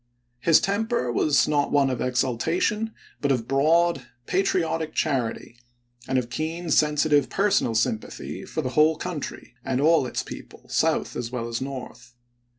His temper was not one of exultation, but of broad, patriotic charity, and of keen, sensitive personal sympathy for the whole country and all its people, South as well as North.